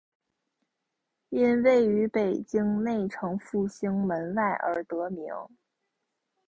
因位于北京内城复兴门外而得名。